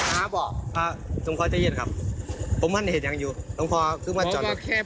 ผมก็ไม่ได้เห็นผมก็ไม่ได้ใจหลอด